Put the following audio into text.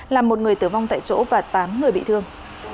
làm một người tử vong tại chỗ và tám người bị thương